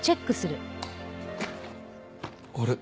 あれ？